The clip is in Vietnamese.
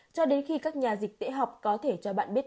cho đến khi các nhà dịch tễ học có thể cho bạn biết